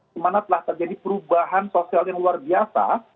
kemana telah terjadi perubahan sosial yang luar biasa